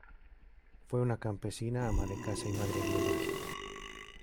Fue una campesina, ama de casa y madre viuda.